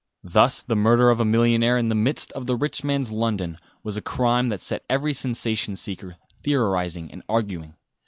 Thus the murder of a millionaire in the midst of the rich man's London was a crime that set every sensation seeker theorising and arguing.